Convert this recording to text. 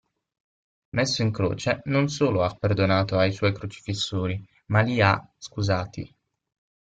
Messo in croce, non solo ha perdonato ai suoi crocifissori, ma li ha scusati.